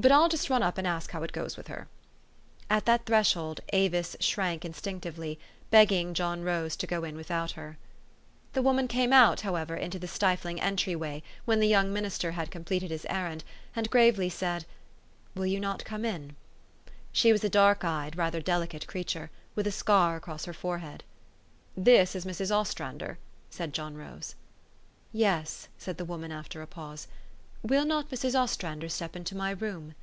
But I'll just run up and ask how it goes with her." At that thresh old Avis shrank instinctively, begging John Rose to go in without her. THE STORY OF AVIS. 293 The woman came out, however, into the stifling entry way, when the young minister had completed his errand, and gravelv said, " Will you not come in? " She was a dark eyed, rather delicate creature, with a scar across her forehead. " This is Mrs. Ostrander," said John Rose. "Yes," said the woman after a pause. "Will not Mrs. Ostrander step into my room?